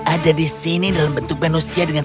ada di sini dalam bentuk manusia dengan